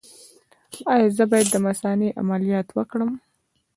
ایا زه باید د مثانې عملیات وکړم؟